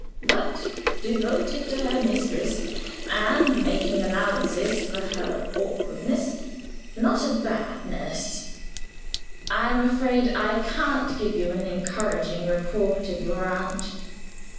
But devoted to her mistress, and, making allowance for her awkwardness, not a bad nurse. I am afraid I can't give you an encouraging report of your aunt.